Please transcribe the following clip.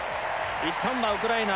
いったんはウクライナ